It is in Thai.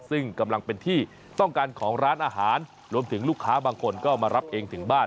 ซึ่งกำลังเป็นที่ต้องการของร้านอาหารรวมถึงลูกค้าบางคนก็มารับเองถึงบ้าน